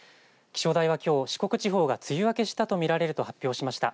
気象台はきょう四国地方が梅雨明けしたと見られると発表しました。